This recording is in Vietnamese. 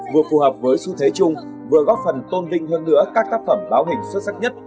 vừa phù hợp với xu thế chung vừa góp phần tôn vinh hơn nữa các tác phẩm báo hình xuất sắc nhất